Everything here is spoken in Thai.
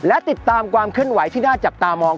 และติดตามความเคลื่อนไหวที่น่าจับตามอง